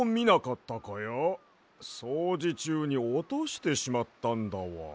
そうじちゅうにおとしてしまったんだわ。